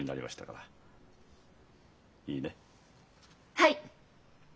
はい！